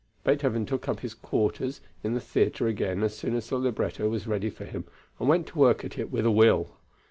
Beethoven took up his quarters in the theatre again as soon as the libretto was ready for him and went to work at it with a will.